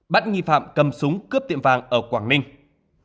bắt nghi phạm cầm súng cướp tiệm vàng ở quảng ninh